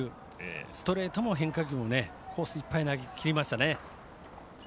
ストレートも変化球もコースいっぱい、投げきりました。